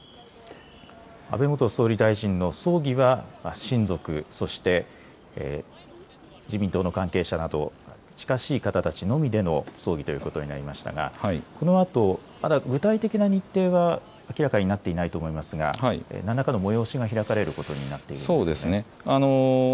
安倍元総理大臣の葬儀は親族、そして自民党の関係者など近しい方たちのみでの葬儀ということになりましたがこのあとまだ具体的な日程は明らかになっていないと思いますが何らかの催しが開かれることになっていますね。